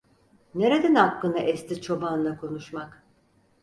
Nereden aklına esti çobanla konuşmak!